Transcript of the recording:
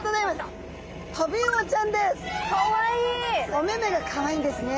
お目目がかわいいんですね。